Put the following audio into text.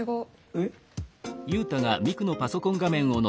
えっ？